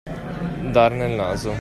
Dar nel naso.